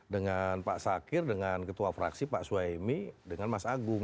dengan pak sakir dengan ketua fraksi pak suhaimi dengan mas agung